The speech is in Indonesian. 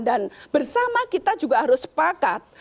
dan bersama kita juga harus sepakat